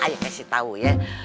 ayah kasih tau ya